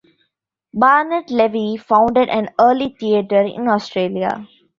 Barnett Levy founded an early theatre in Australia.